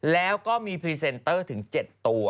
แล้วก็มีพรีเซนเตอร์ถึง๗ตัว